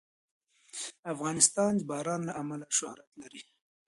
افغانستان د باران له امله شهرت لري.